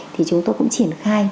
thì chúng tôi cũng triển khai